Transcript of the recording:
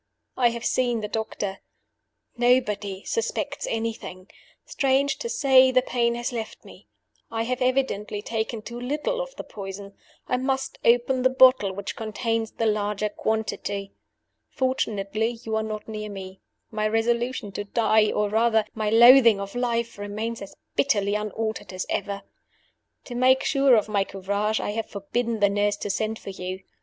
I have seen the doctor. "Nobody suspects anything. Strange to say, the pain has left me; I have evidently taken too little of the poison. I must open the bottle which contains the larger quantity. Fortunately, you are not near me my resolution to die, or, rather, my loathing of life, remains as bitterly unaltered as ever. To make sure of my courage, I have forbidden the nurse to send for you.